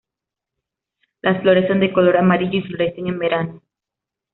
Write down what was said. Las flores son de color amarillo, y florecen en verano.